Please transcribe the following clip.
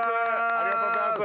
ありがとうございます。